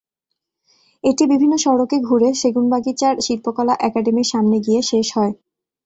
এটি বিভিন্ন সড়ক ঘুরে সেগুনবাগিচার শিল্পকলা একাডেমীর সামনে গিয়ে শেষ হয়।